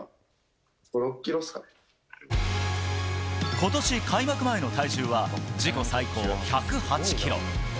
今年開幕前の体重は自己最高１０８ｋｇ。